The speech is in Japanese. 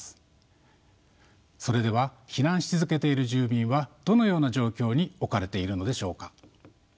それでは避難し続けている住民はどのような状況に置かれているのでしょうか？